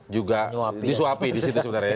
juga disuapi di situ sebenarnya ya